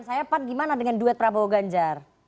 oke pak gimana dengan duet prabowo ganjar